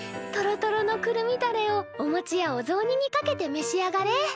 とろとろのくるみだれをおもちやおぞうににかけてめしあがれ。